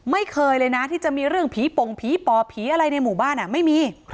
ไม่เคยเลยนะที่จะมีเรื่องผีปงผีปอบผีอะไรในหมู่บ้านไม่มี